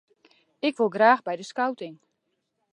Ik wol graach by de skouting.